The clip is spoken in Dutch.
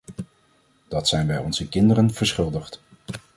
Dat zijn wij onze kinderen verschuldigd.